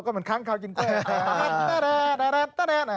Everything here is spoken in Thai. ก็เหมือนครั้งเขากินกล้วย